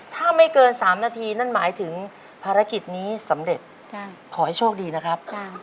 ถ้าไม่เกิน๓นาทีนั่นหมายถึงภารกิจนี้สำเร็จขอให้โชคดีนะครับ